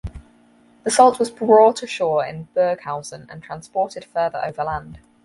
The salt was brought ashore in Burghausen and transported further overland.